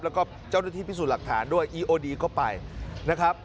แล้วก็เจ้าหน้าที่พิสูจน์หลักฐานด้วยอีโอดีก็ไปนะครับ